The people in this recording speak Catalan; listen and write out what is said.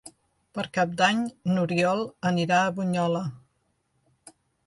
Per Cap d'Any n'Oriol anirà a Bunyola.